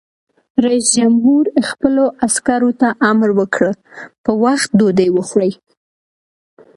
رئیس جمهور خپلو عسکرو ته امر وکړ؛ په وخت ډوډۍ وخورئ!